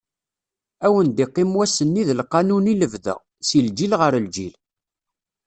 Ad wen-d-iqqim wass-nni d lqanun i lebda, si lǧil ɣer lǧil.